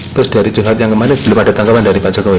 terus dari curhat yang kemarin belum ada tangkapan dari pak jokowi